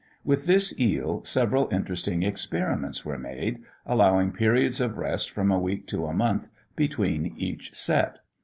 With this eel several interesting experiments were made, allowing periods of rest from a week to a month between each set.